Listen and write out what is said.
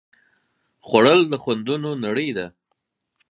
خوړل د خوندونو نړۍ ده